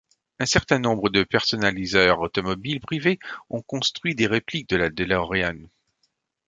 Un certain nombre de personnaliseurs automobiles privés ont construit des répliques de la DeLorean.